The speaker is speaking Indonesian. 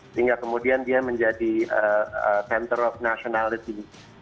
sehingga kemudian dia menjadi center of nationality